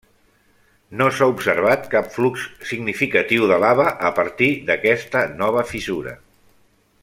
No s'ha observat cap flux significatiu de lava a partir d'aquesta nova fissura.